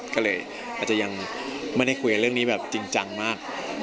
ก็เลยอาจจะยังไม่ได้คุยเรื่องนี้แบบจริงจังมาก